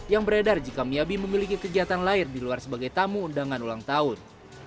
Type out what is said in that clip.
yang beredar jika miyabi memiliki kegiatan lain di luar sebagai tamu undangan ulang tahun